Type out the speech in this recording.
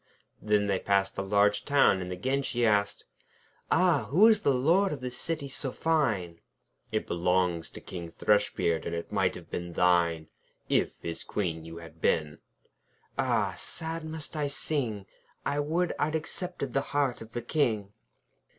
Then they passed through a large town, and again she asked: 'Ah! who is the Lord of this city so fine?' 'It belongs to King Thrushbeard, and it might have been thine, If his Queen you had been.' 'Ah! sad must I sing! I would I'd accepted the heart of the King.'